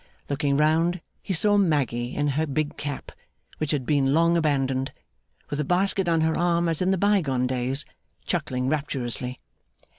Looking round, he saw Maggy in her big cap which had been long abandoned, with a basket on her arm as in the bygone days, chuckling rapturously.